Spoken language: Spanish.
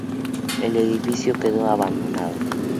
El edificio quedó abandonado.